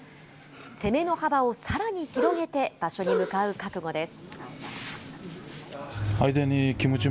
攻めの幅をさらに広げて場所に向かう覚悟です。